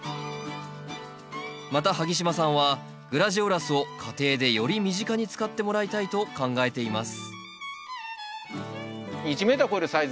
また萩島さんはグラジオラスを家庭でより身近に使ってもらいたいと考えています